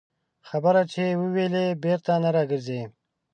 خبره چې ووېلې، بېرته نه راګرځي